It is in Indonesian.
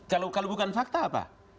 kalau bukan fakta apa